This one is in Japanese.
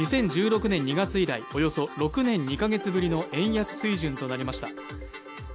２０１６年２月以来およそ６年２か月ぶりの円安水準となりました